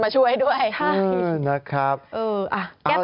ชื่นชมผลมือที่มาช่วยด้วย